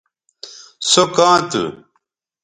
سو کاں تھو